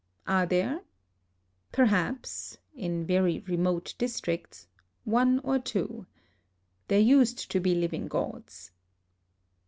Are there ? Perhaps — in very remote districts — one or two. There used to be living gods.